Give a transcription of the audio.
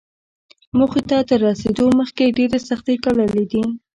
موخې ته تر رسېدو مخکې يې ډېرې سختۍ ګاللې دي.